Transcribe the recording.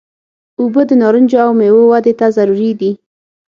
اوبه د نارنجو او میوو ودې ته ضروري دي.